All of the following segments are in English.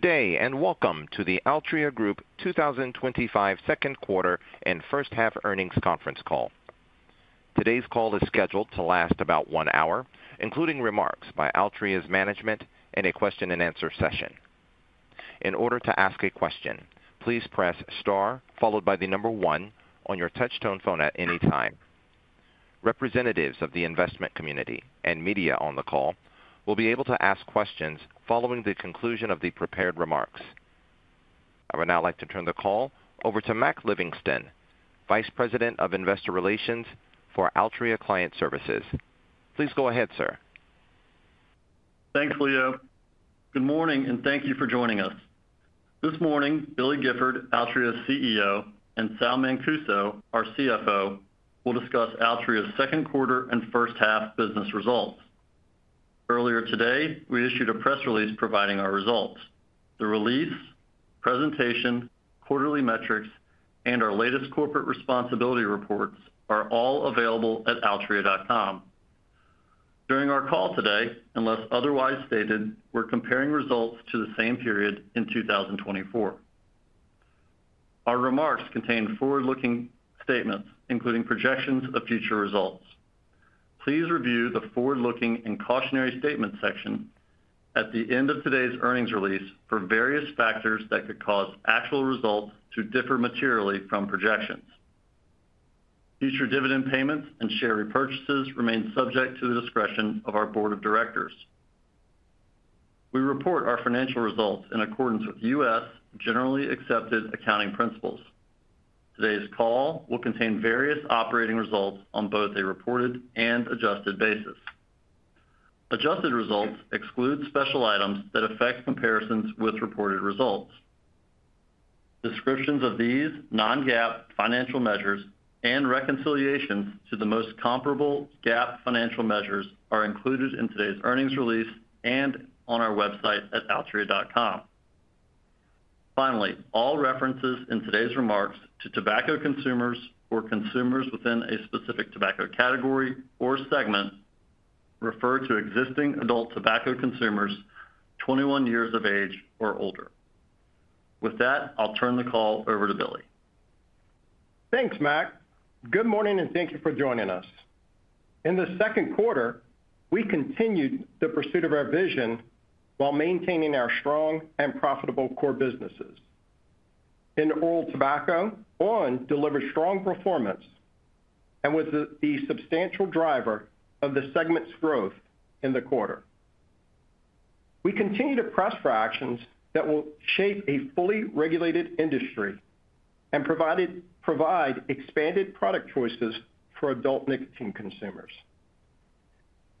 Good day and welcome to The Altria Group 2025 Second Quarter and First Half Earnings Conference call. Today's call is scheduled to last about one hour, including remarks by Altria's management and a question and answer session. In order to ask a question, please press star followed by the number one on your touchtone phone. At any time, representatives of the investment community and media on the call will be able to ask questions following the conclusion of the prepared remarks. I would now like to turn the call over to Mack Livingston, Vice President of Investor Relations for Altria Client Services. Please go ahead sir. Thanks, Leo. Good morning and thank you for joining us. This morning Billy Gifford, Altria's CEO, and Sal Mancuso, our CFO, will discuss Altria's second quarter and first half business results. Earlier today we issued a press release providing our results. The release, presentation, quarterly metrics, and our latest corporate responsibility reports are all available at altria.com. During our call today, unless otherwise stated, we're comparing results to the same period in 2024. Our remarks contain forward-looking statements including projections of future results. Please review the forward-looking and cautionary statements section at the end of today's earnings release for various factors that could cause actual results to differ materially from projections. Future dividend payments and share repurchases remain subject to the discretion of our Board of Directors. We report our financial results in accordance with U.S. generally accepted accounting principles. Today's call will contain various operating results on both a reported and adjusted basis. Adjusted results exclude special items that affect comparisons with reported results. Descriptions of these non-GAAP financial measures and reconciliations to the most comparable GAAP financial measures are included in today's earnings release and on our website at altria.com. Finally, all references in today's remarks to tobacco consumers or consumers within a specific tobacco category or segment refer to existing adult tobacco consumers 21 years of age or older. With that, I'll turn the call over to Billy. Thanks, Mac. Good morning and thank you for joining us. In the second quarter, we continued the pursuit of our vision while maintaining our strong and profitable core businesses in oral tobacco. ON delivered strong performance and was the substantial driver of the segment's growth in the quarter. We continue to press for actions that will shape a fully regulated industry and provide expanded product choices for adult nicotine consumers,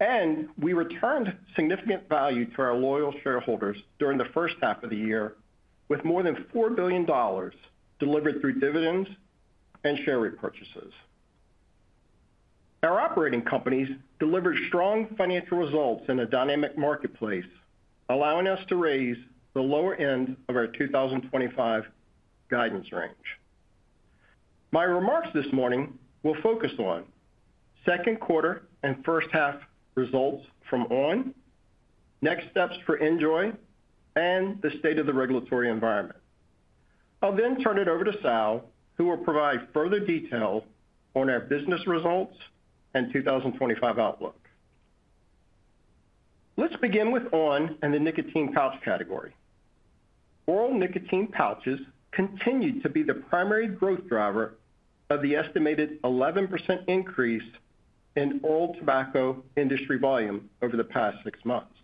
and we returned significant value to our loyal shareholders during the first half of the year. With more than $4 billion delivered through dividends and share repurchases, our operating companies delivered strong financial results in a dynamic marketplace, allowing us to raise the lower end of our 2025 guidance range. My remarks this morning will focus on second quarter and first half results from ON, next steps for NJOY, and the state of the regulatory environment. I'll then turn it over to Sal, who will provide further detail on our business results and 2025 outlook. Let's begin with ON and the nicotine pouch category. Oral nicotine pouches continued to be the primary growth driver of the estimated 11% increase in oral tobacco industry volume over the past six months.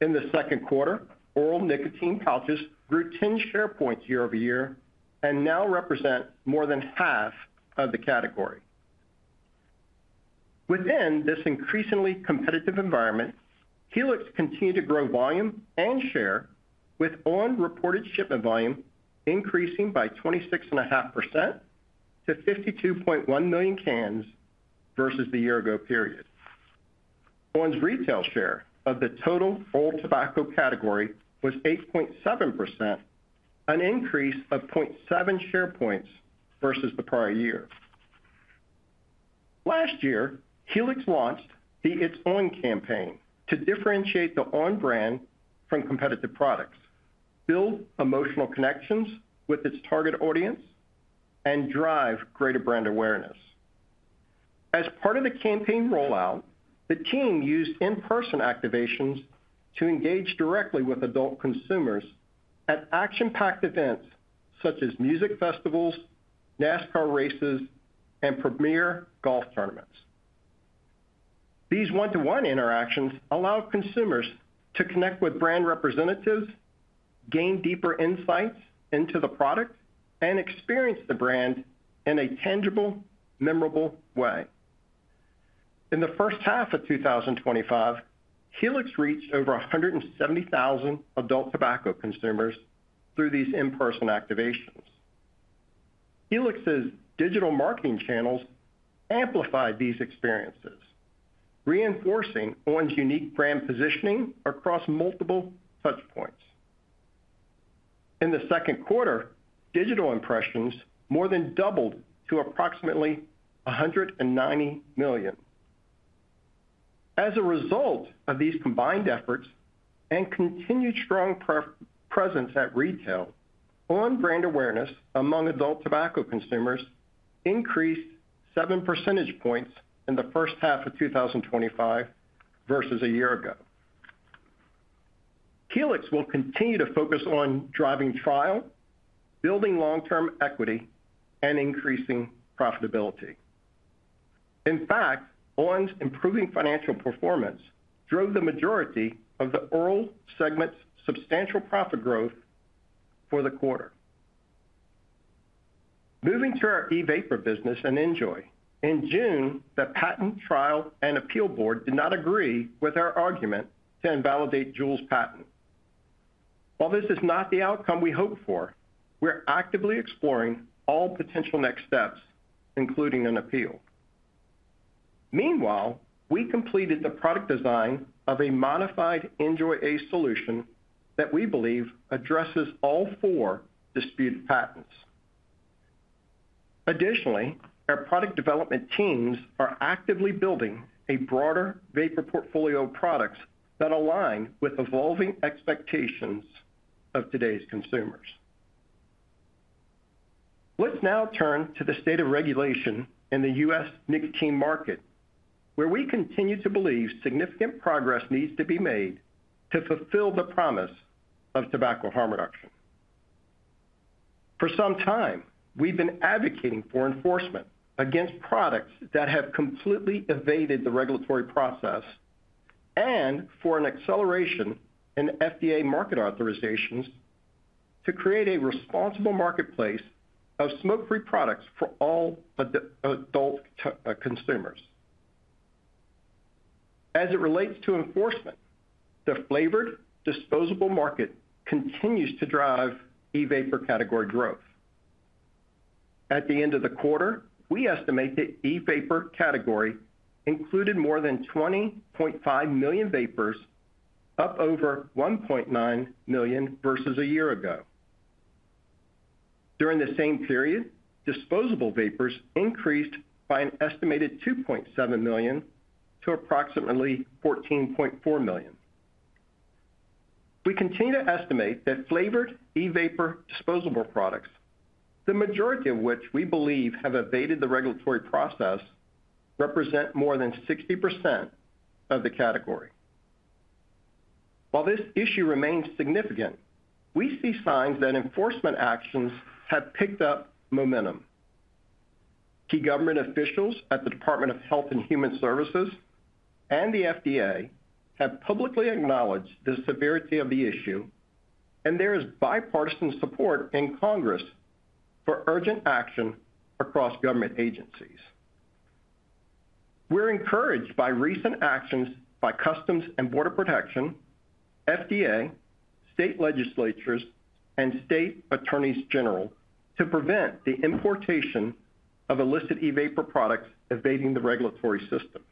In the second quarter, oral nicotine pouches grew 10 share points year over year and now represent more than half of the category. Within this increasingly competitive environment, Helix continued to grow volume and share, with ON reported shipment volume increasing by 26.5% to 52.1 million cans versus the year-ago period. ON's retail share of the total oral tobacco category was 8.7%, an increase of 0.7 share points versus the prior year. Last year, Helix launched its own campaign to differentiate the ON brand from competitive products, build emotional connections with its target audience, and drive greater brand awareness. As part of the campaign rollout, the team used in-person activations to engage directly with adult consumers at action-packed events such as music festivals, NASCAR races, and premier golf tournaments. These one-to-one interactions allow consumers to connect with brand representatives, gain deeper insights into the product, and experience the brand in a tangible, memorable way. In the first half of 2025, Helix reached over 170,000 adult tobacco consumers through these in-person activations. Helix's digital marketing channels amplified these experiences, reinforcing ON's unique brand positioning across multiple touch points. In the second quarter, digital impressions more than doubled to approximately 190 million. As a result of these combined efforts and continued strong presence at retail, ON brand awareness among adult tobacco consumers increased seven percentage points in the first half of 2025 versus a year ago. Helix will continue to focus on driving trial, building long-term equity and increasing profitability. In fact, ON's improving financial performance drove the majority of the oral segment's substantial profit growth for the quarter. Moving to our e-vapor business and NJOY, in June, the Patent Trial and Appeal Board did not agree with our argument to invalidate Juul's patent. While this is not the outcome we hoped for, we are actively exploring all potential next steps, including an appeal. Meanwhile, we completed the product design of a modified NJOY solution that we believe addresses all four disputed patents. Additionally, our product development teams are actively building a broader vapor portfolio of products that align with evolving expectations of today's consumers. Let's now turn to the state of regulation in the U.S. nicotine market where we continue to believe significant progress needs to be made to fulfill the promise of tobacco harm reduction. For some time, we have been advocating for enforcement against products that have completely evaded the regulatory process and for an acceleration of FDA market authorizations to create a responsible marketplace of smoke-free products for all adult consumers. As it relates to enforcement, the flavored disposable market continues to drive e-vapor category growth. At the end of the quarter, we estimate the e-vapor category included more than 20.5 million vapers, up over 1.9 million versus a year ago. During the same period, disposable vapers increased by an estimated 2.7 million to approximately 14.4 million. We continue to estimate that flavored e-vapor disposable products, the majority of which we believe have evaded the regulatory process, represent more than 60% of the category. While this issue remains significant, we see signs that enforcement actions have picked up momentum. Key government officials at the Department of Health and Human Services and the FDA have publicly acknowledged the severity of the issue and there is bipartisan support in Congress for urgent action across government agencies. We're encouraged by recent actions by Customs and Border Protection, FDA, state legislatures, and state attorneys general to prevent the importation of illicit e-vapor products evading the regulatory system.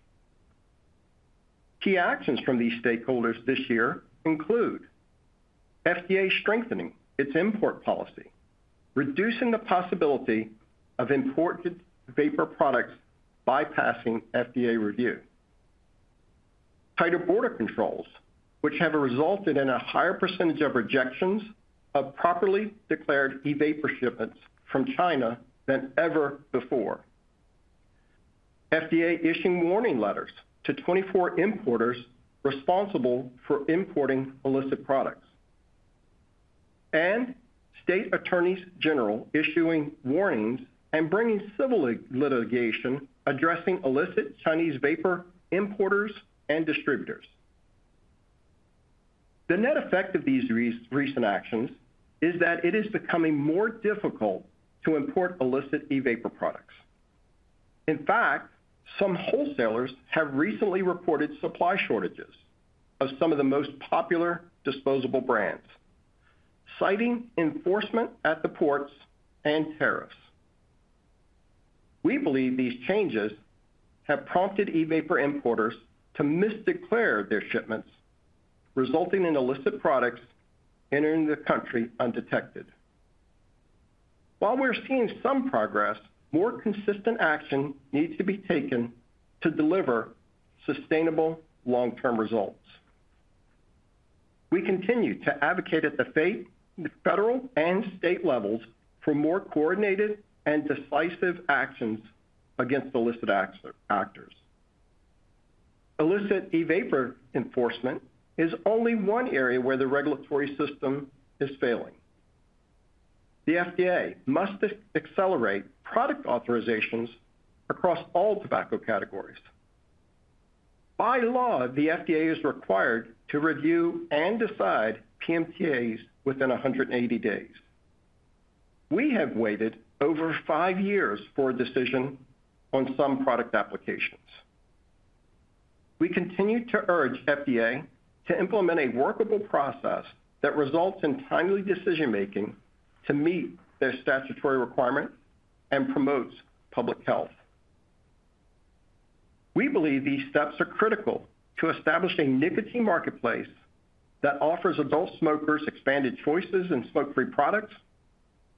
Key actions from these stakeholders this year include FDA strengthening its import policy, reducing the possibility of imported vapor products bypassing FDA review, tighter border controls, which have resulted in a higher percentage of rejections of properly declared e-vapor shipments from China than ever before, FDA issuing warning letters to 24 importers responsible for importing illicit products, and state attorneys general issuing warnings and bringing civil litigation addressing illicit Chinese vapor importers and distributors. The net effect of these recent actions is that it is becoming more difficult to import illicit e-vapor products. In fact, some wholesalers have recently reported supply shortages of some of the most popular disposable brands. Citing enforcement at the ports and tariffs, we believe these changes have prompted e-vapor importers to misdeclare their shipments, resulting in illicit products entering the country undetected. While we're seeing some progress, more consistent action needs to be taken to deliver sustainable long-term results. We continue to advocate at the federal and state levels for more coordinated and decisive actions against illicit actors. Illicit e-vapor enforcement is only one area where the regulatory system is failing. The FDA must accelerate product authorizations across all tobacco categories. By law, the FDA is required to review and decide PMTAs within 180 days. We have waited over five years for a decision on some product applications. We continue to urge FDA to implement a workable process that results in timely decision making to meet their statutory requirements and promotes public health. We believe these steps are critical to establish a nicotine marketplace that offers adult smokers expanded choices in smoke-free products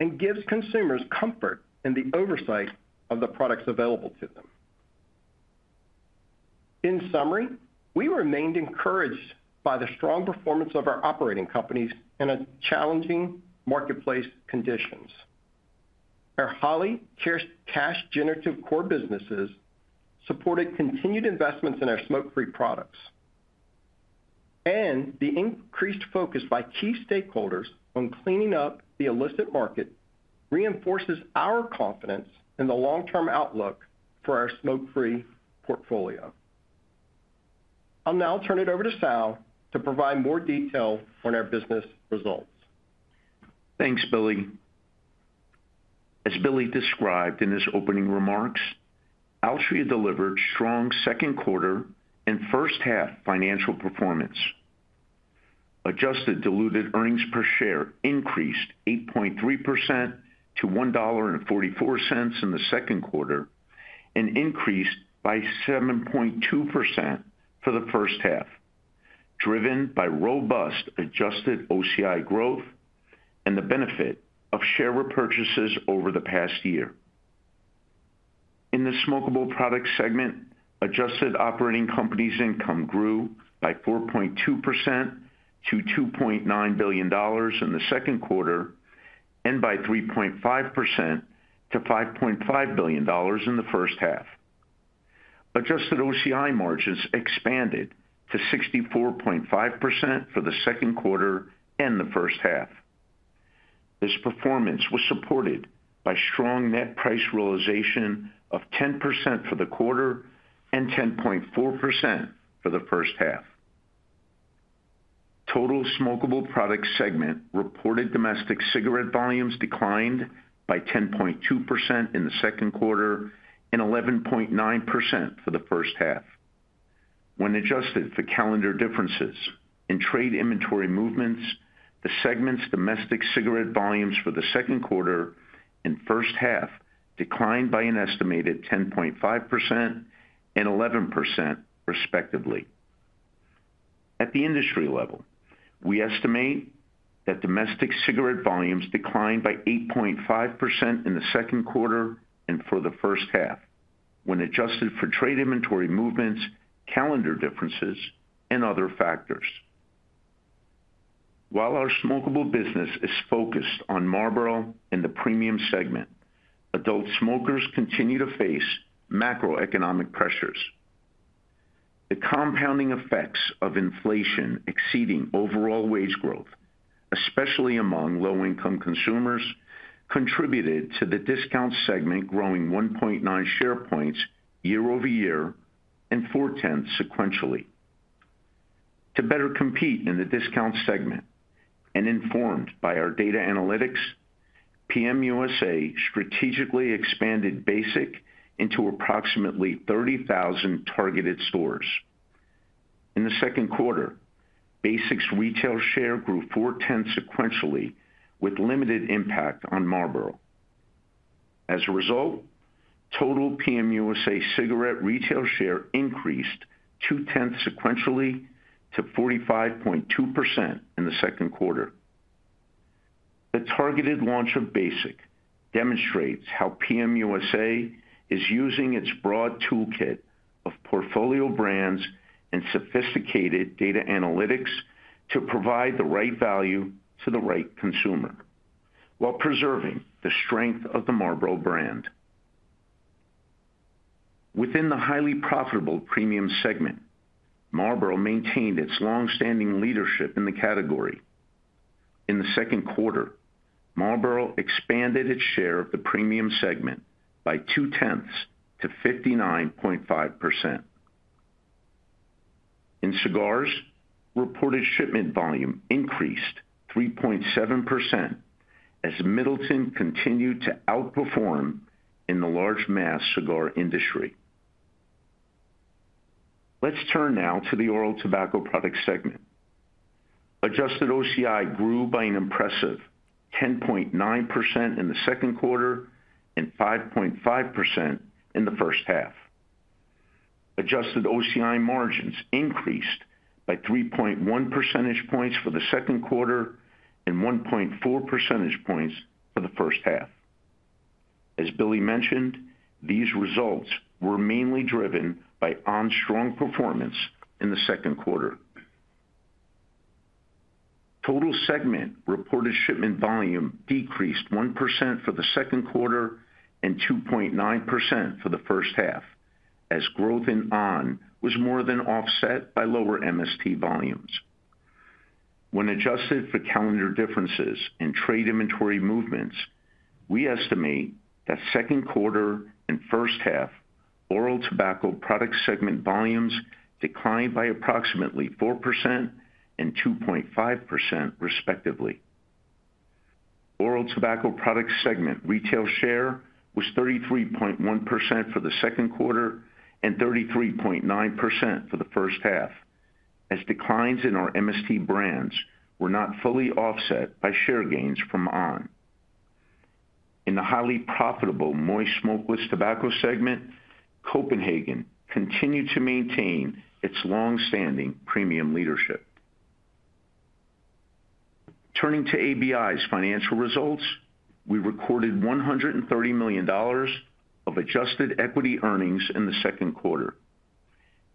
and gives consumers comfort in the oversight of the products available to them. In summary, we remain encouraged by the strong performance of our operating companies in challenging marketplace conditions. Our highly cash-generative core businesses supported continued investments in our smoke-free products, and the increased focus by key stakeholders on cleaning up the illicit market reinforces our confidence in the long-term outlook for our smoke-free portfolio. I'll now turn it over to Sal to provide more detail on our business results. Thanks Billy. As Billy described in his opening remarks, Altria delivered strong second quarter and first half financial performance. Adjusted diluted earnings per share increased 8.3% to $1.44 in the second quarter and increased by 7.2% for the first half, driven by robust adjusted OCI growth and the benefit of share repurchases over the past year. In the smokable products segment, adjusted operating companies income grew by 4.2% to $2.9 billion in the second quarter and by 3.5% to $5.5 billion in the first half. Adjusted OCI margins expanded to 64.5% for the second quarter and the first half. This performance was supported by strong net price realization of 10% for the quarter and 10.4% for the first half. Total smokable products segment reported domestic cigarette volumes declined by 10.2% in the second quarter and 11.9% for the first half. When adjusted for calendar differences in trade inventory movements, the segment's domestic cigarette volumes for the second quarter and first half declined by an estimated 10.5% and 11% respectively. At the industry level, we estimate that domestic cigarette volumes declined by 8.5% in the second quarter and for the first half when adjusted for trade inventory movements, calendar differences and other factors. While our smokable business is focused on Marlboro and the premium segment, adult smokers continue to face macroeconomic pressures. The compounding effects of inflation exceeding overall wage growth, especially among low income consumers, contributed to the discount segment growing 1.9 percentage points year over year and 0.4 percentage points sequentially. To better compete in the discount segment and informed by our data analytics, PM USA strategically expanded Basic into approximately 30,000 targeted stores in the second quarter. Basic's retail share grew 0.4 percentage points sequentially with limited impact on Marlboro. As a result, total PM USA cigarette retail share increased 0.2 percentage points sequentially to 45.2% in the second quarter. The targeted launch of Basic demonstrates how PM USA is using its broad toolkit of portfolio brands and sophisticated data analytics to provide the right value to the right consumer, while preserving the strength of the Marlboro brand within the highly profitable premium segment. Marlboro maintained its long standing leadership in the category. In the second quarter, Marlboro expanded its share of the premium segment by 0.2 percentage points to 59.5% in cigars. Reported shipment volume increased 3.7% as Middleton continued to outperform in the large mask cigar industry. Let's turn now to the oral tobacco products segment. Adjusted OCI grew by an impressive 10.9% in the second quarter and 5.5% in the first half. Adjusted OCI margins increased by 3.1 percentage points for the second quarter and 1.4 percentage points for the first half. As Billy mentioned, these results were mainly driven by ON's strong performance in the second quarter. Total segment reported shipment volume decreased 1% for the second quarter and 2.9% for the first half as growth in ON was more than offset by lower MST volumes. When adjusted for calendar differences and trade inventory movements, we estimate that second quarter and first half oral tobacco product segment volumes declined by approximately 4% and 2.5% respectively. Oral tobacco products segment retail share was 33.1% for the second quarter and 33.9% for the first half as declines in our MST brands were not fully offset by share gains from ON. In the highly profitable moist smokeless tobacco segment, Copenhagen continued to maintain its long standing premium leadership. Turning to ABI's financial results, we recorded $130 million of adjusted equity earnings in the second quarter,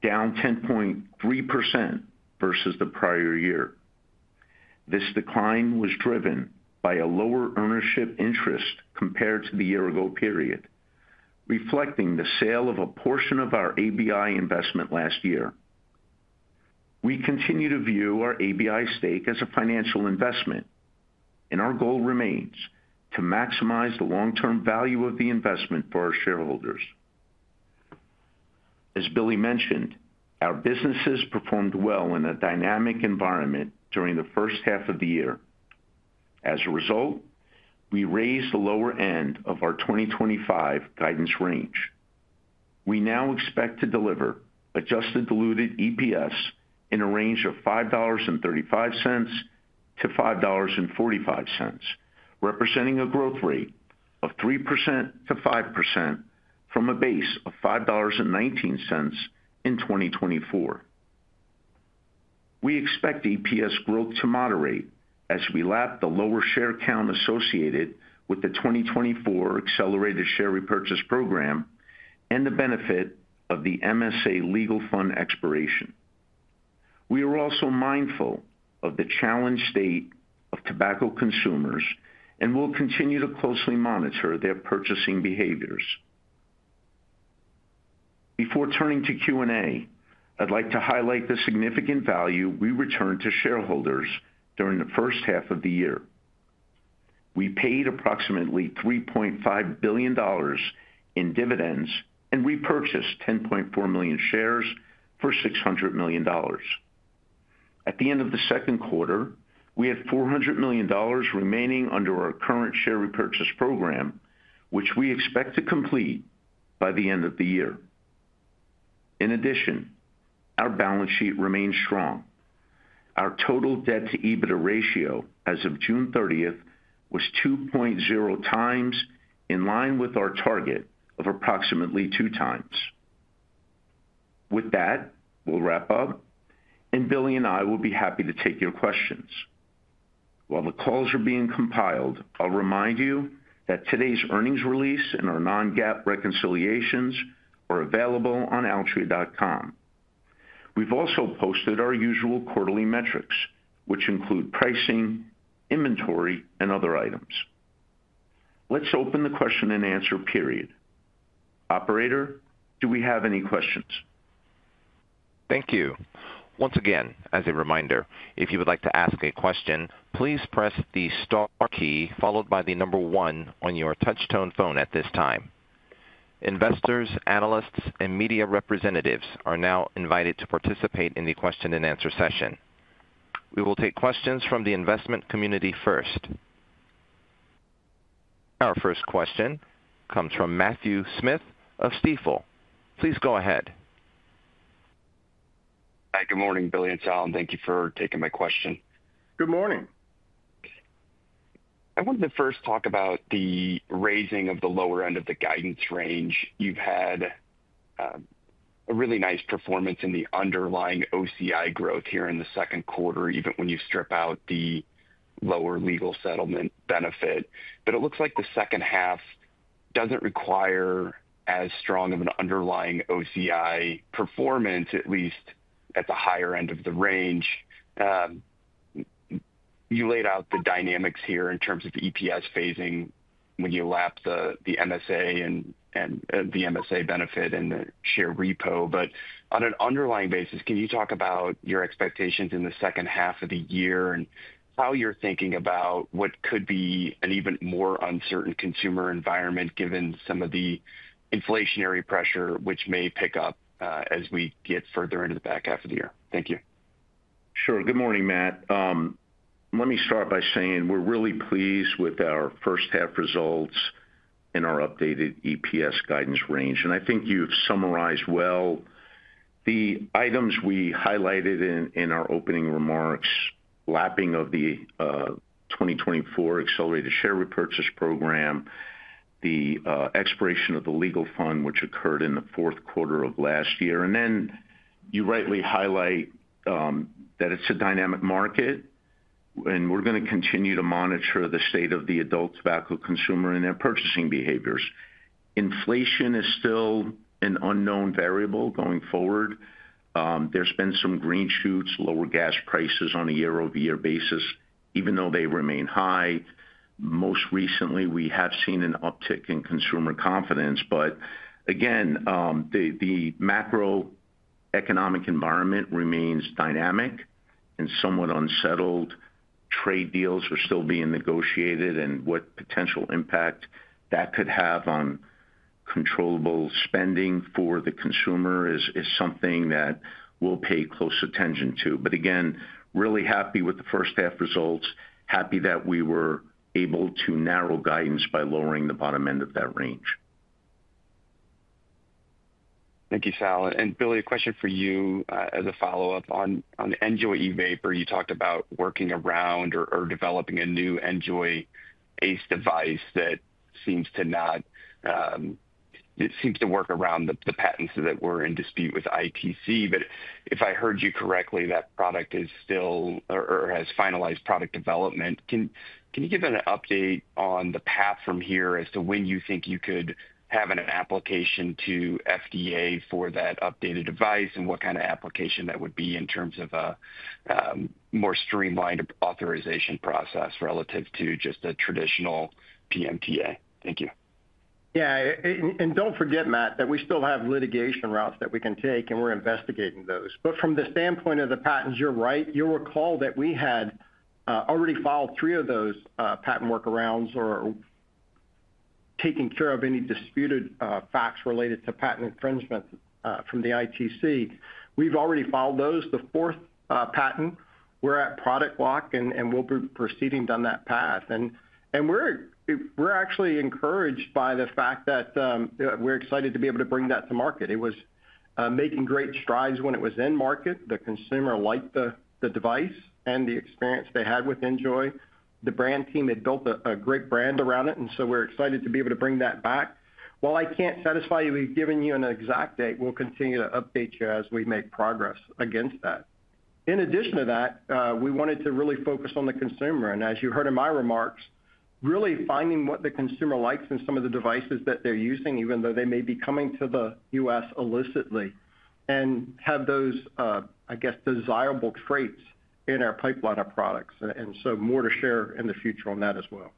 down 10.3% versus the prior year. This decline was driven by a lower ownership interest compared to the year ago period, reflecting the sale of a portion of our ABI investment last year. We continue to view our ABI stake as a financial investment and our goal remains to maximize the long term value of the investment for our shareholders. As Billy mentioned, our businesses performed well in a dynamic environment during the first half of the year. As a result, we raised the lower end of our 2025 guidance range. We now expect to deliver adjusted diluted EPS in a range of $5.35 to $5.45, representing a growth rate of 3% to 5% from a base of $5.19 in 2024. We expect EPS growth to moderate as we lap the lower share count associated with the 2024 accelerated share repurchase program and the benefit of the MSA legal fund expiration. We are also mindful of the challenged state of tobacco consumers and will continue to closely monitor their purchasing behaviors. Before turning to Q and A, I'd like to highlight the significant value we returned to shareholders during the first half of the year, we paid approximately $3.5 billion in dividends and repurchased 10.4 million shares for $600 million. At the end of the second quarter, we had $400 million remaining under our current share repurchase program, which we expect to complete by the end of the year. In addition, our balance sheet remains strong. Our total debt-to-EBITDA ratio as of June 30th was 2.0 times, in line with our target of approximately 2 times. With that, we'll wrap up and Billy and I will be happy to take your questions while the calls are being compiled. I'll remind you that today's earnings release and our non-GAAP reconciliations are available on altria.com. We've also posted our usual quarterly metrics, which include pricing, inventory, and other items. Let's open the question and answer period. Operator, do we have any questions? Thank you. Once again, as a reminder, if you would like to ask a question, please press the star key followed by the number one on your touchtone phone at this time. Investors, analysts and media representatives are now invited to participate in the question and answer session. We will take questions from the investment community first. Our first question comes from Matthew Smith of Stifel Financial Corp. Please go ahead. Good morning Billy and Sal and thank you for taking my question. Good morning. I wanted to first talk about the raising of the lower end of the guidance range. You've had a really nice performance in the underlying OCI growth here in the second quarter, even when you strip out the lower legal settlement benefit. It looks like the second half does not require as strong of an underlying OCI performance, at least at the higher end of the range. You laid out the dynamics here in terms of EPS phasing when you lap the MSA and the MSA benefit and the share repo, but on an underlying basis. Can you talk about your expectations in the second half of the year and how you're thinking about what could be an even more uncertain consumer environment given some of the inflationary pressure which may pick up as we get further into the back half of the year? Thank you, Sure. Good morning, Matt. Let me start by saying we're really pleased with our first half results and our updated EPS guidance range. I think you've summarized well the items we highlighted in our opening remarks, lapping of the 2024 accelerated share repurchase program, the expiration of the legal fund which occurred in the fourth quarter of last year. You rightly highlight that it's a dynamic market and we're going to continue to monitor the state of the adult tobacco consumer and their purchasing behaviors. Inflation is still an unknown variable going forward. There have been some green shoots, lower gas prices on a year-over-year basis even though they remain high. Most recently, we have seen an uptick in consumer confidence. The macroeconomic environment remains dynamic and somewhat unsettled. Trade deals are still being negotiated and what potential impact that could have on controllable spending for the consumer is something that we'll pay close attention to. Really happy with the first half results. Happy that we were able to narrow guidance by lowering the bottom end of that range. Thank you Sal. And Billy, a question for you. As a follow up on NJOY e-vapor, you talked about working around or developing a new NJOY ACE device that seems to not seem to work around the patents that were in dispute with ITC. If I heard you correctly, that product is still or has finalized product development. Can you give an update on the path from here as to when you think you could have an application to FDA for that updated device and what kind of application that would be in terms of more streamlined authorization process relative to just a traditional PMTA? Thank you. Yeah. Do not forget, Matt, that we still have litigation routes that we can take and we are investigating those. From the standpoint of the patents, you are right. You will recall that we had already filed three of those patent workarounds or taken care of any disputed facts related to patent infringement from the ITC. We have already filed those. The fourth patent, we are at product lock and we will be proceeding down that path and we are actually encouraged by the fact that we are excited to be able to bring that to market. It was making great strides when it was in market. The consumer liked the device and the experience they had with NJOY. The brand team had built a great brand around it and we are excited to be able to bring that back. While I cannot satisfy you, we have given you an exact date. We will continue to update you as we make progress against that. In addition to that, we wanted to really focus on the consumer and as you heard in my remarks, really finding what the consumer likes in some of the devices that they are using even though they may be coming to the U.S. illicitly and have those, I guess, desirable traits in our pipeline of products and so more to share in the future on that as well.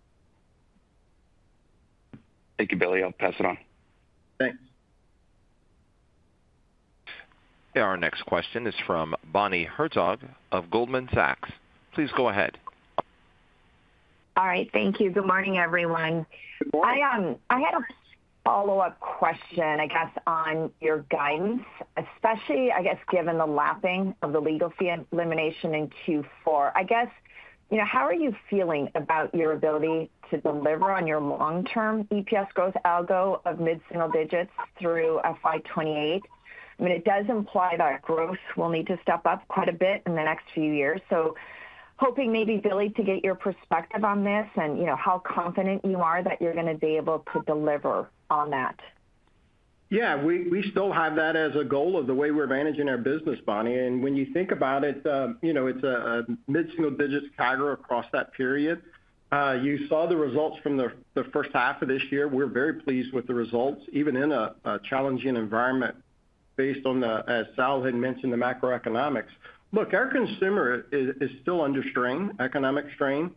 Thank you, Billy. I will pass it on. Thanks. Our next question is from Bonnie Lee Herzog of Goldman Sachs. Please go ahead. All right, thank you. Good morning everyone. I had a follow up question I guess on your guidance especially I guess given the lapping of the legal fee elimination in Q4. I guess how are you feeling about your ability to deliver on your long term EPS growth algo of mid single digits through FY2028? I mean it does imply that growth will need to step up quite a bit in the next few years. Hoping maybe Billy, to get your perspective on this and how confident you are that you're going to be able to deliver on that. Yeah, we still have that as a goal of the way we're managing our business, Bonnie. When you think about it, it's a mid single digits CAGR across that period. You saw the results from the first half of this year. We're very pleased with the results even in a challenging environment. Based on the, as Sal mentioned, the macroeconomics, our consumer is still under strain, economic strain.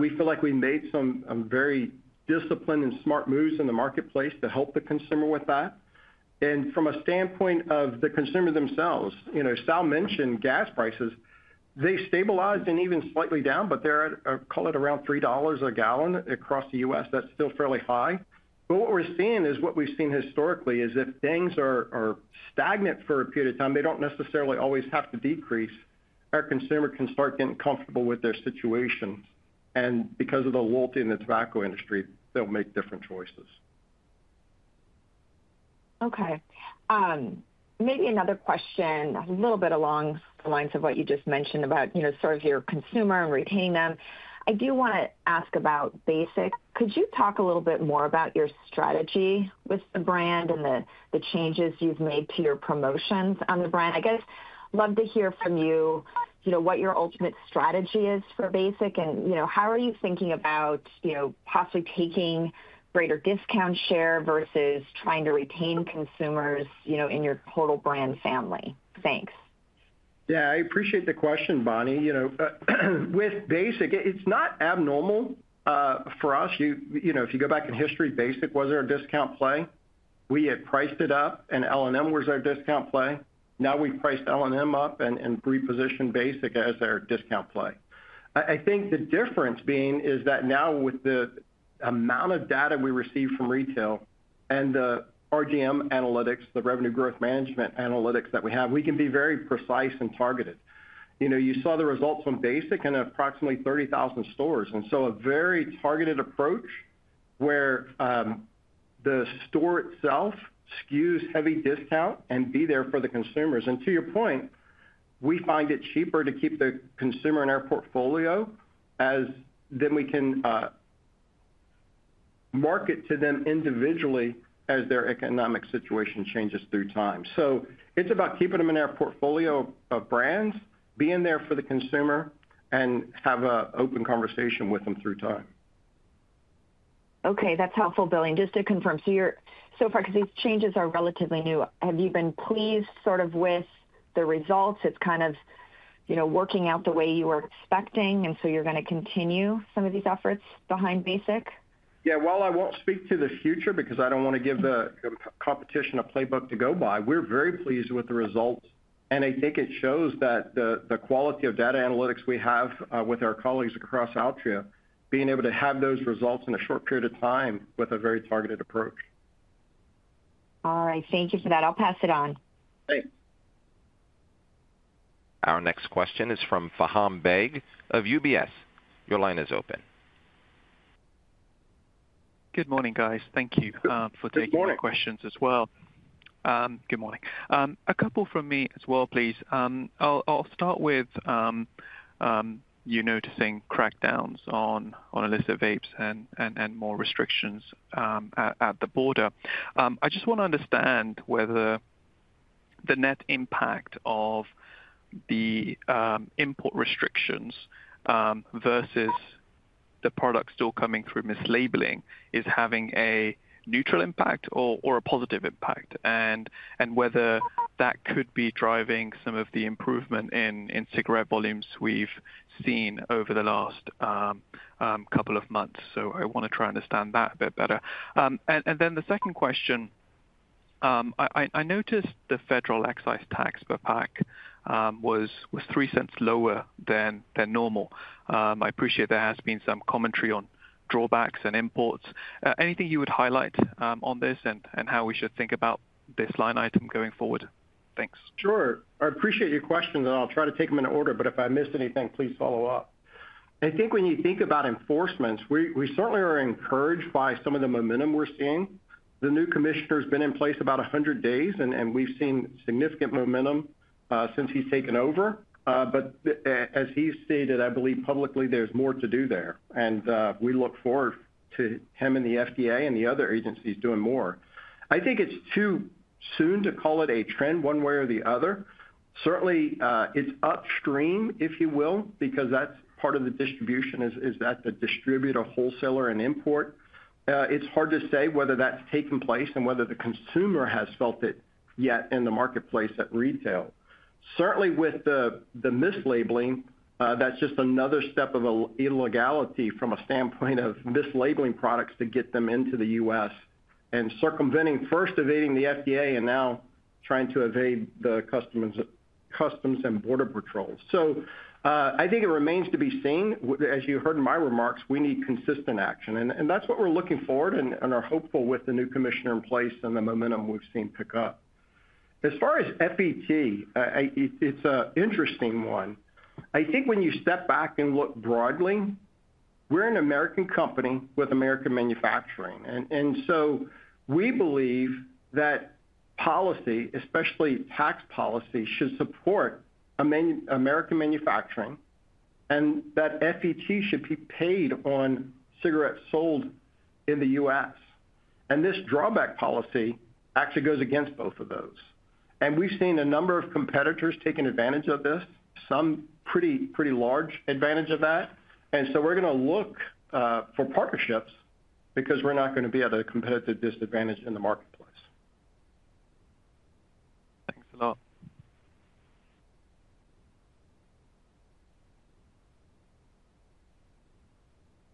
We feel like we made some very disciplined and smart moves in the marketplace to help the consumer with that. From a standpoint of the consumer themselves, you know, Sal mentioned gas prices. They stabilized and even slightly down, but they're, call it, around $3 a gallon across the U.S. That's still fairly high. What we're seeing is, what we've seen historically is if things are stagnant for a period of time, they don't necessarily always have to decrease. Our consumer can start getting comfortable with their situation and because of the loyalty in the tobacco industry, they'll make different choices. Okay, maybe another question a little bit along the lines of what you just mentioned about sort of your consumer and retaining them. I do want to ask about Basic. Could you talk a little bit more about your strategy with the brand and the changes you've made to your promotions on the brand? I guess love to hear from you what your ultimate strategy is for Basic and how are you thinking about possibly taking greater discount share versus trying to retain consumers in your total brand family? Thanks. Yeah, I appreciate the question, Bonnie. With Basic, it's not abnormal for us, if you go back in history, Basic was their discount play. We had priced it up and L&M was our discount play. Now we priced L&M up and repositioned Basic as their discount play. I think the difference being is that now with the amount of data we receive from retail and the RGM analytics, the revenue growth management analytics that we have, we can be very precise and targeted. You know, you saw the results on Basic in approximately 30,000 stores. A very targeted approach where the store itself skews heavy discount and be there for the consumers. To your point, we find it cheaper to keep the consumer in our portfolio as, then we can market to them individually as their economic situation changes through time. It's about keeping them in our portfolio of brands, being there for the consumer and having an open conversation with them through time. Okay, that's helpful, Billy. And just to confirm, so you're, so far, because these changes are relatively new, have you been pleased sort of with the results? It's kind of, you know, working out the way you were expecting. And so you're going to continue some of these efforts behind Basic? Yeah. While I won't speak to the future because I don't want to give the competition a playbook to go by, we're very pleased with the results, and I think it shows that the quality of data analytics we have with our colleagues across Altria being able to have those results in a short period of time with a very targeted approach. All right, thank you for that. I'll pass it on. Thanks. Our next question is from Faham Beg of UBS. Your line is open. Good morning, guys. Thank you for taking questions as well. Good morning. A couple from me as well, please. I'll start with you noticing crackdowns on illicit vapes and more restrictions at the border. I just want to understand whether the net impact of the import restrictions versus the product still coming through mislabeling is having a neutral impact or a positive impact, and whether that could be driving some of the improvement in cigarette volumes we've seen over the last couple of months. I want to try and understand that a bit better. The second question. I noticed the federal excise tax per pack was 3 cents lower than normal. I appreciate there has been some commentary on drawbacks and imports. Anything you would highlight on this and how we should think about this line item going forward. Thanks. Sure. I appreciate your questions and I'll try to take them in order, but if I missed anything, please follow up. I think when you think about enforcements, we certainly are encouraged by some of the momentum we're seeing. The new commissioner has been in place about 100 days, and we've seen significant momentum since he's taken over. As he stated, I believe publicly there's more to do there, and we look forward to him and the FDA and the other agencies doing more. I think it's too soon to call it a trend one way or the other. Certainly it's upstream, if you will, because that's part of the distribution, is that the distributor, wholesaler and import. It's hard to say whether that's taken place and whether the consumer has felt it yet in the marketplace at retail. Certainly with the mislabeling, that's just another step of illegality from a standpoint of mislabeling products to get them into the U.S. and circumventing, first evading the FDA and now trying to evade the customs and border patrols. I think it remains to be seen, as you heard in my remarks, we need consistent action. That's what we're looking forward and are hopeful with the new commissioner in place and the momentum we've seen pick up. As far as FET, it's an interesting one, I think, when you step back and look broadly. We're an American company with American manufacturing, and we believe that policy, especially tax policy, should support American manufacturing and that FET should be paid on cigarettes sold in the U.S. and this drawback policy actually goes against both of those. We've seen a number of competitors taking advantage of this, some pretty, pretty large advantage of that. We're going to look for partnerships because we're not going to be at a competitive disadvantage in the marketplace. Thanks a lot.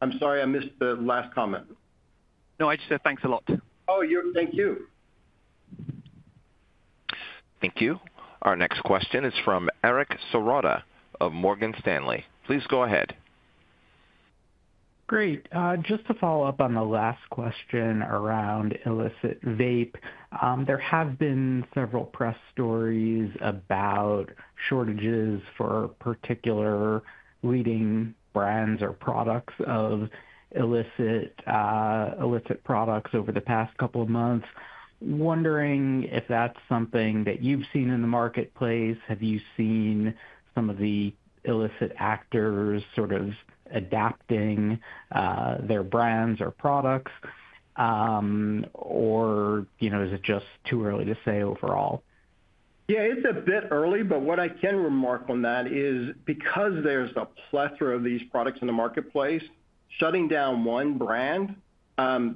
I'm sorry, I missed the last comment. No, I just said thanks a lot. Oh, thank you. Thank you. Our next question is from Eric Serotta of Morgan Stanley. Please go ahead. Great. Just to follow up on the last question, around illicit vape, there have been several press stories about shortages for particular leading brands or products of illicit products over the past couple of months. Wondering if that's something that you've seen in the marketplace. Have you seen some of the illicit actors sort of adapting their brands or products. Or, you know, is it just too early to say overall? Yeah, it's a bit early. What I can remark on is because there's a plethora of these products in the marketplace. Shutting down one brand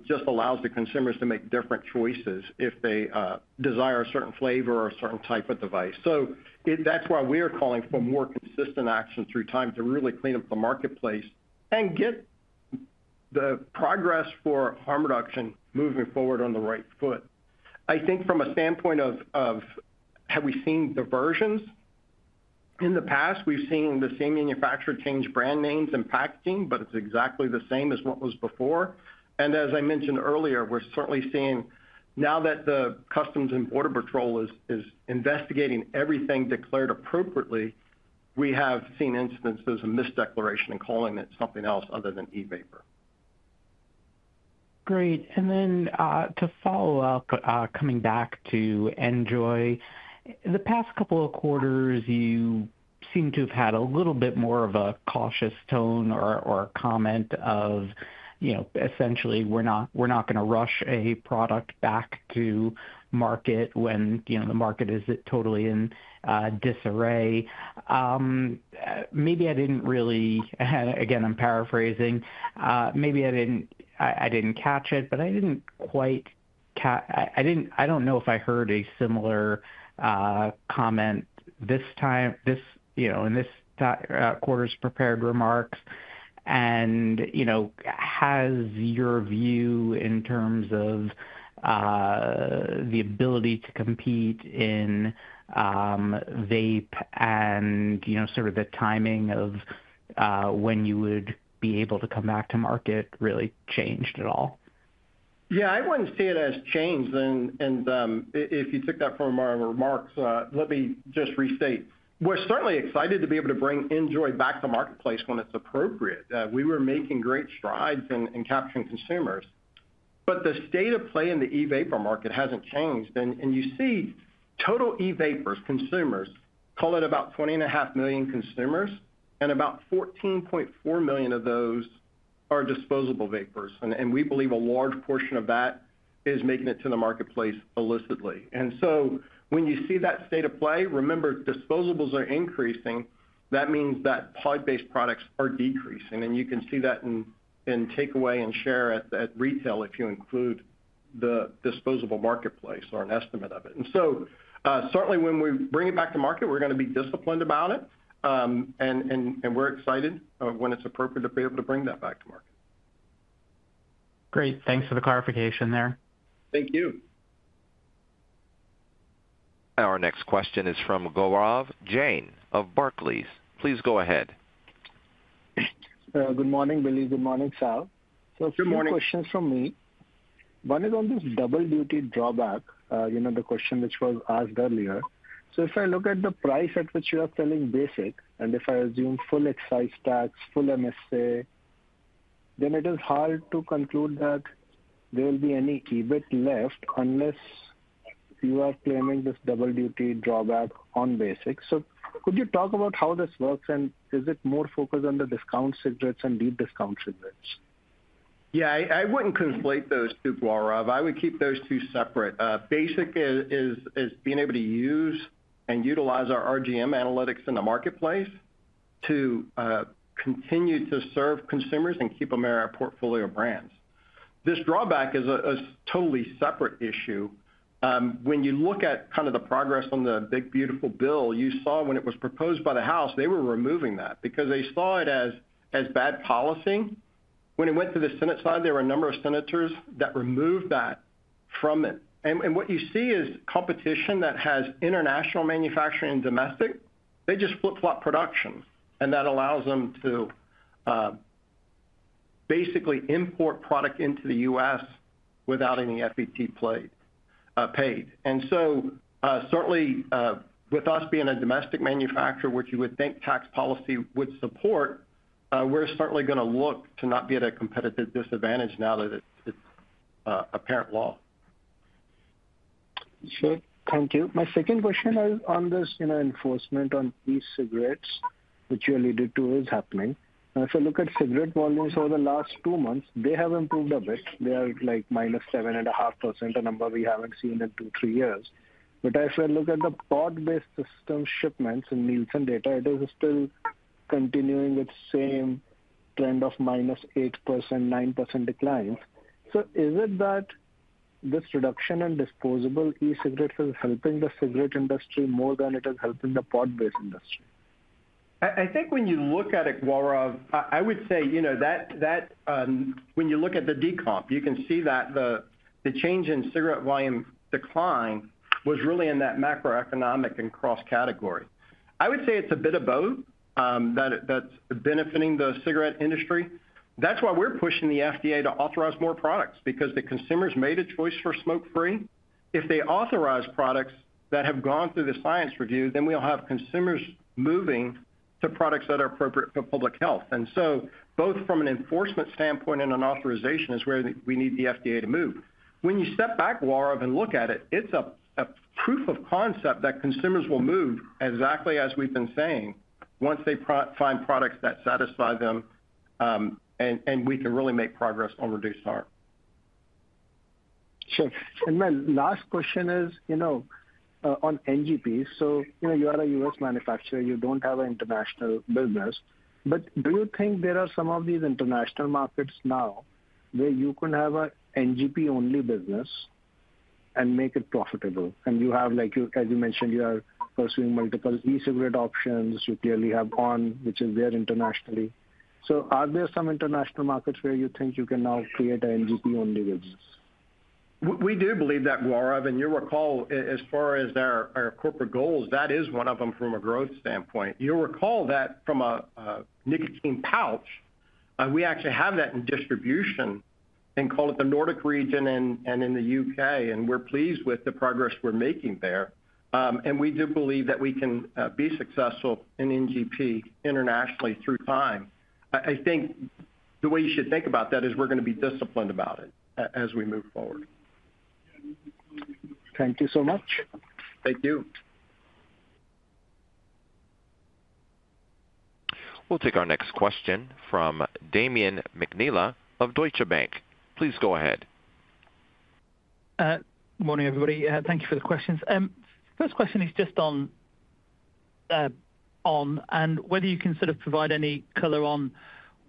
just allows the consumers to make different choices if they desire a certain flavor or a certain type of device. That is why we are calling for more consistent action through time to really clean up the marketplace and get the progress for harm reduction moving forward on the right foot. I think from a standpoint of have we seen diversions in the past, we've seen the same manufacturer change brand names and packaging, but it's exactly the same as what was before. As I mentioned earlier, we're certainly seeing now that the Customs and Border Patrol is investigating everything declared appropriately. We have seen instances of misdeclaration and calling it something else other than e-vapor. Great.To follow up, coming back to NJOY the past couple of quarters, you seem to have had a little bit more of a cautious tone or comment of, you know, essentially we're not, we're not going to rush a product back to market when, you know, the market is totally in disarray. Maybe I didn't really, again, I'm paraphrasing. Maybe I didn't, I didn't catch it. I didn't quite, I didn't. I don't know if I heard a similar comment this time. This, you know, in this quarter's prepared remarks and you know, has your view in terms of the ability to compete in vape and sort of the timing of when you would be able to come back to market really changed at all? Yeah, I would not see it as change. If you took that from our remarks, let me just restate. We are certainly excited to be able to bring NJOY back to marketplace when it is appropriate. We were making great strides in capturing consumers, but the state of play in the E-vapor market has not changed. You see total E-vapor consumers, call it about 20.5 million consumers, and about 14.4 million of those are disposable vapors. We believe a large portion of that is making it to the marketplace illicitly. When you see that state of play, remember disposables are increasing. That means that pod-based products are decreasing. You can see that in takeaway and share at retail if you include the disposable marketplace or an estimate of it. Certainly, when we bring it back to market, we are going to be disciplined about it. We are excited, when it is appropriate, to be able to bring that back to market. Great. Thanks for the clarification there. Thank you. Our next question is from Gaurav Jain of Barclays. Please go ahead. Good morning, Billy. Good morning, Sal. A few questions from me. One is on this double duty drawback. You know the question which was asked earlier. If I look at the price at which you are selling Basic and if I assume full excise tax, full MSA, then it is hard to conclude that there will be any EBIT left unless you are claiming this double duty drawback on Basic. Could you talk about how this works and is it more focused on the discount cigarettes and deep discount cigarettes? Yeah, I would not conflate those two, Gaurav. I would keep those two separate. Basic is being able to use and utilize our RGM analytics in the marketplace to continue to serve consumers and keep them in our portfolio of brands. This drawback is a totally separate issue. When you look at kind of the progress on the big beautiful bill you saw when it was proposed by the House, they were removing that because they saw it as bad policy. When it went to the Senate side, there were a number of senators that removed that from it. What you see is competition that has international manufacturing and domestic, they just flip flop production and that allows them to basically import product into the U.S. without any FET paid. Certainly, with us being a domestic manufacturer, which you would think tax policy would support, we are certainly going to look to not be at a competitive disadvantage now that it is apparent law. Thank you. My second question on this enforcement on e-cigarettes which you alluded to is happening. If you look at cigarette volumes over the last two months, they have improved a bit. They are like -7.5%, the number we haven't seen in two, three years. I should look at the pod-based system shipments and Nielsen data. It is still continuing its same trend of -8%, -9% declines. Is it that this reduction in disposable e-cigarettes is helping the cigarette industry more than it is helping the pod-based industry? I think when you look at it, I would say, you know, that when you look at the decomp you can see that the change in cigarette volume decline was really in that macroeconomic and cross category. I would say it's a bit of both that's benefiting the cigarette industry. That's why we're pushing the FDA to authorize more products because the consumers made a choice for smoke free. If they authorize products that have gone through the science review, then we'll have consumers moving to products that are appropriate for public health. Both from an enforcement standpoint and an authorization is where we need the FDA to move. When you step back and look at it, it's a proof of concept that consumers will move exactly as we've been saying, once they find products that satisfy them and we can really make progress on reduced harm. Sure. My last question is, you know, on NGP's, you are a U.S. manufacturer, you do not have an international business, but do you think there are some of these international markets now where you can have a NGP only business and make it profitable and you have, like, as you mentioned, you are pursuing multiple e-cigarette options. You clearly have ON, which is there internationally. Are there some international markets where you think you can now create a NGP only business? We do believe that, Gaurav. You recall as far as our corporate goals, that is one of them from a growth standpoint. You will recall that from a nicotine pouch. We actually have that in distribution and call it the Nordic region and in the U.K., and we are pleased with the progress we are making there, and we do believe that we can be successful in NGP internationally through time. I think the way you should think about that is we are going to be disciplined about it as we move forward. Thank you so much. Thank you. We'll take our next question from Damian McNeela of Deutsche Bank. Please go ahead. Morning, everybody. Thank you for the questions. First question is just on, ON and whether you can sort of provide any color on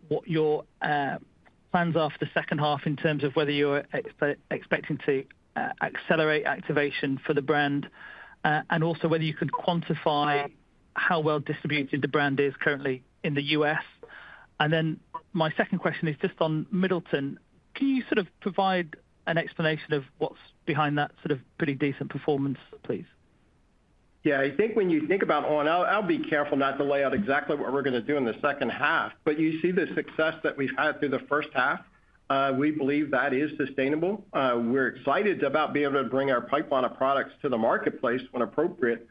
what your plans are for the second half in terms of whether you're expecting to accelerate activation for the brand, and also whether you could quantify how well distributed the brand is currently in the U.S., and then my second question is just on Middleton, can you sort of provide an explanation of what's behind that sort of pretty decent performance, please? Yeah. I think when you think about ON, I'll be careful not to lay out exactly what we're going to do in the second half. You see the success that we've had through the first half, we believe that is sustainable. We're excited about being able to bring our pipeline of products to the marketplace when appropriate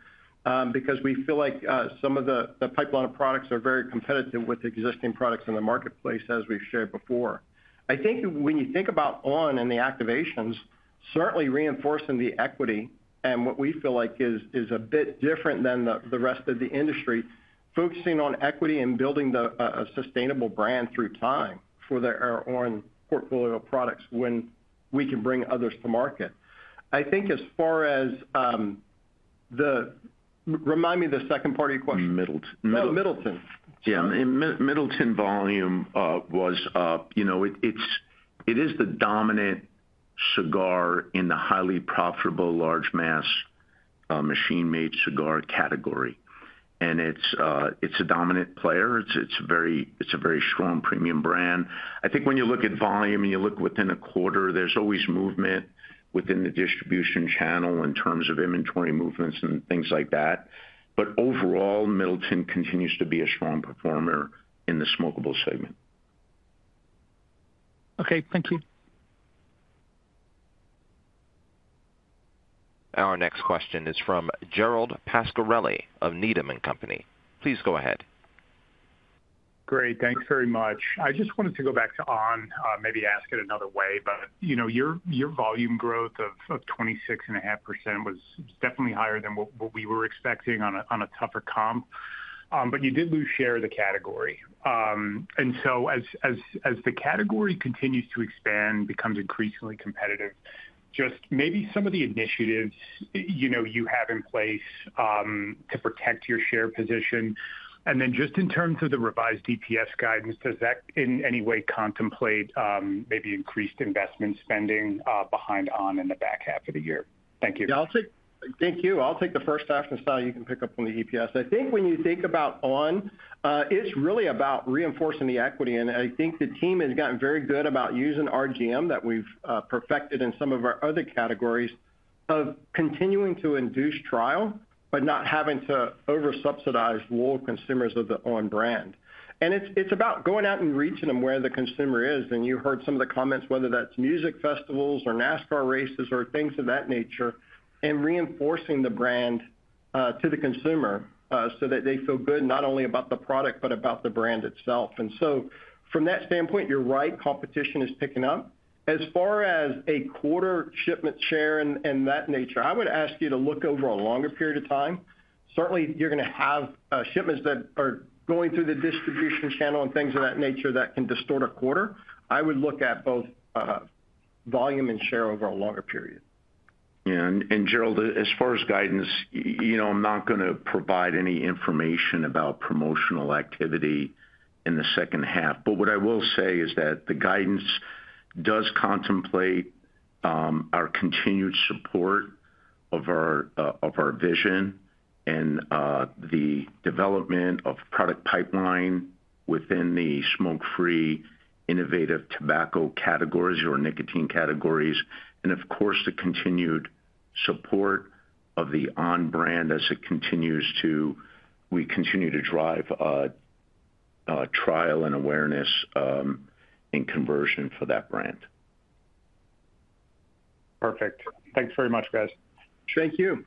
because we feel like some of the pipeline of products are very competitive with existing products in the marketplace, as we've shared before. I think when you think about ON and the activations, certainly reinforcing the equity and what we feel like is a bit different than the rest of the industry, focusing on equity and building a sustainable brand through time for their own portfolio of products when we can bring others to market. I think as far as the—remind me the second part of your question. Middleton. Middleton. Yeah, Middleton volume was, you know, it's. It is the dominant cigar in the highly profitable large mass machine made cigar category. And it's, it's a dominant player. It's, it's very, it's a very strong premium brand. I think when you look at volume and you look within a quarter, there's always movement within the distribution channel in terms of inventory movements and things like that. Overall, Middleton continues to be a strong performer in the smokable segment. Okay, thank you. Our next question is from Gerald Pascarelli of Needham & Company. Please go ahead. Great, thanks very much. I just wanted to go back to ON, maybe ask it another way but you know your volume growth of 26.5% was definitely higher than what we were expecting on a tougher comp. You did lose share of the category. As the category continues to expand, becomes increasingly competitive, just maybe some of the initiatives you know you have in place to protect your share position. In terms of the revised EPS guidance, does that in any way contemplate maybe increased investment spending behind ON in the back half of the year? Thank you. Thank you. I'll take the first half and Sal, you can pick up on the EPS. I think when you think about ON, it's really about reinforcing the equity and I think the team has gotten very good about using RGM that we've perfected in some of our other categories of continuing to induce trial but not having to over subsidize loyal consumers of the ON brand. It is about going out and reaching them where the consumer is. You heard some of the comments, whether that's music festivals or NASCAR races or things of that nature and reinforcing the brand to the consumer so that they feel good not only about the product but about the brand itself. From that standpoint, you're right, competition is picking up as far as quarter shipment share and that nature, I would ask you to look over a longer period of time. Certainly, you're going to have shipments that are going through the distribution channel and things of that nature that can distort a quarter. I would look at both volume and share over a longer period. Gerald, as far as guidance, you know I'm not going to provide any information about promotional activity in the second half. What I will say is that the guidance does contemplate our continued support of our vision and the development of product pipeline within the smoke-free innovative tobacco categories or nicotine categories and of course the continued support of the ON brand as it continues to. We continue to drive trial and awareness and conversion for that brand. Perfect.Thanks very much, guys. Thank you.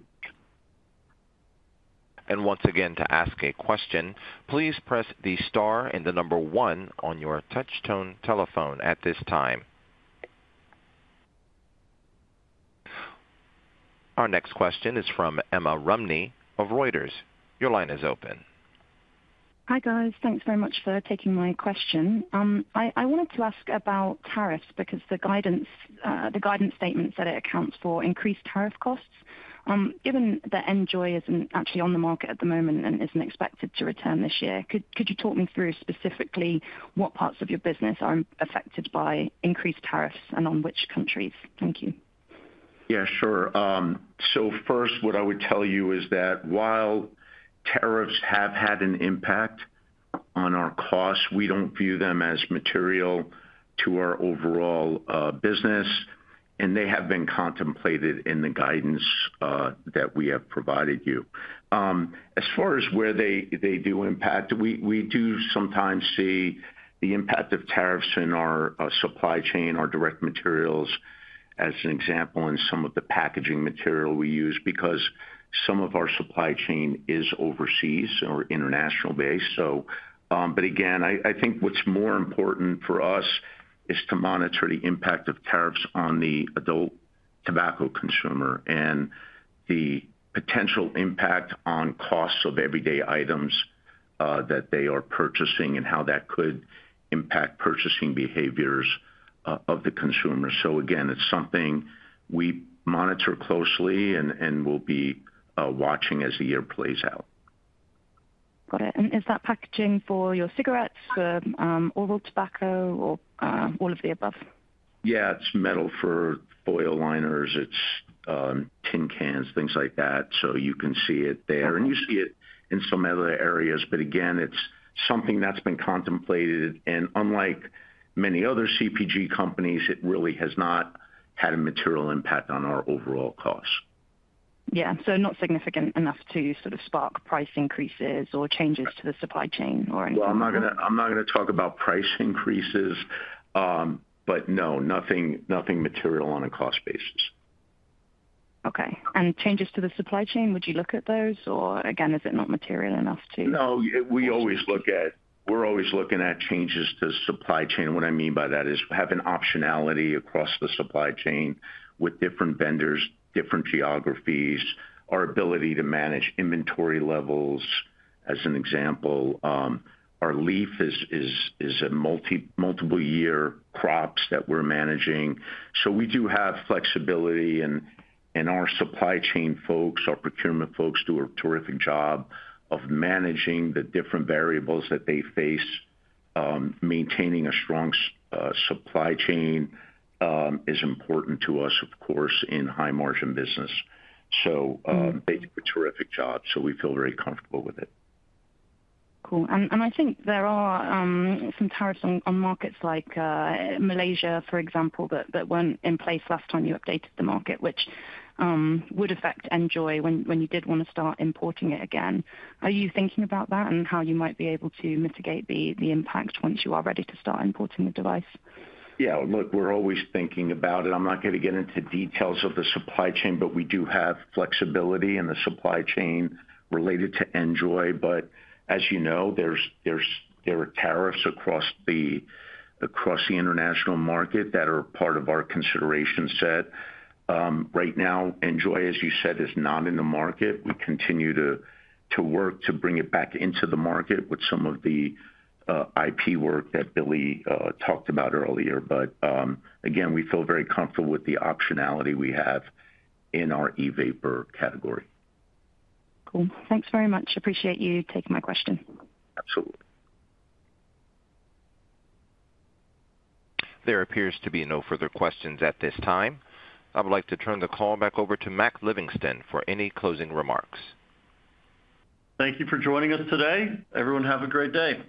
To ask a question, please press the star and the number one on your touchtone telephone at this time. Our next question is from Emma Rumney of Reuters. Your line is open. Hi guys. Thanks very much for taking my question. I wanted to ask about tariffs because the guidance statement said it accounts for increased tariff costs given that NJOY isn't actually on the market at the moment and isn't expected to return this year. Could you talk me through specifically what parts of your business are affected by increased tariffs and on which countries? Thank you. Yeah, sure. First, what I would tell you is that while tariffs have had an impact on our costs, we do not view them as material to our overall business and they have been contemplated in the guidance that we have provided you. As far as where they do impact, we do sometimes see the impact of tariffs in our supply chain, our direct materials, as an example, in some of the packaging material we use because some of our supply chain is overseas or international based. Again, I think what is more important for us is to monitor the impact of tariffs on the adult tobacco consumer and the potential impact on costs of everyday items that they are purchasing and how that could impact purchasing behaviors of the consumer. Again, it is something we monitor closely and we will be watching as the year plays out. Got it. Is that packaging for your cigarettes, oral tobacco, or all of the above? Yeah, it's metal for foil liners, it's tin cans, things like that. You can see it there and you see it in some other areas. Again, it's something that's been contemplated and unlike many other CPG companies, it really has not had a material impact on our overall cost. Yeah. Not significant enough to sort of spark price increases or changes to the supply chain or. I'm not going to talk about price increases, but no, nothing material on a cost basis. Okay. Changes to the supply chain, would you look at those or again, is it not material enough to? No, we always look at, we're always looking at changes to supply chain. What I mean by that is having optionality across the supply chain with different vendors, different geographies. Our ability to manage inventory levels as an example, our leaf is a multiple year crops that we're managing. So we do have flexibility and our supply chain folks, our procurement folks do a terrific job of managing the different variables that they face. Maintaining a strong supply chain is important to us, of course, in high margin business. They do a terrific job. We feel very comfortable with it. Cool. I think there are some tariffs on markets like Malaysia, for example, that were not in place last time you updated the market, which would affect NJOY when you did want to start importing it again. Are you thinking about that and how you might be able to mitigate the impact once you are ready to start importing the device? Yeah, look, we're always thinking about it. I'm not going to get into details of the supply chain, but we do have flexibility in the supply chain related to NJOY. As you know, there are tariffs across the international market that are part of our consideration set right now. NJOY, as you said, is not in the market. We continue to work to bring it back into the market with some of the IP work that Billy talked about earlier. We feel very comfortable with the optionality we have in our e-vapor category. Cool. Thanks very much. Appreciate you taking my question. Absolutely. There appears to be no further questions at this time. I would like to turn the call back over to Mac Livingston for any closing remarks. Thank you for joining us today. Everyone have a great day.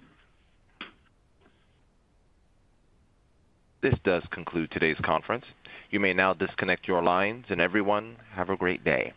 This does conclude today's conference. You may now disconnect your lines. Everyone have a great day.